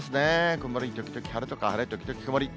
曇り時々晴れとか、晴れ時々曇り。